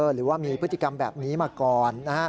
หรือว่ามีพฤติกรรมแบบนี้มาก่อน